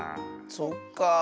そっかあ。